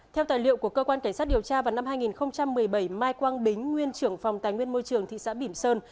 theo tài liệu của cơ quan cảnh sát điều tra vào năm hai nghìn một mươi bảy mai quang bính nguyên trưởng phòng tài nguyên môi trường thị xã bỉm sơn